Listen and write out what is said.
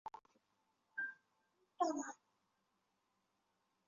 密歇根大学狼獾队的校友在奥运会上也有不错的成绩。